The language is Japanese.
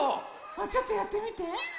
ちょっとやってみて。